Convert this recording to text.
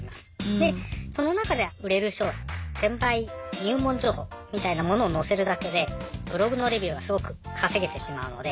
でその中で売れる商品転売入門情報みたいなものを載せるだけでブログのレビューがすごく稼げてしまうので。